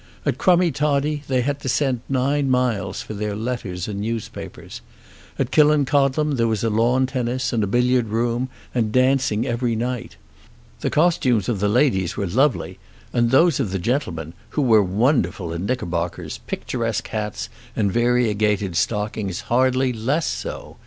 At Crummie Toddie they had to send nine miles for their letters and newspapers. At Killancodlem there was lawn tennis and a billiard room and dancing every night. The costumes of the ladies were lovely, and those of the gentlemen, who were wonderful in knickerbockers, picturesque hats and variegated stockings, hardly less so.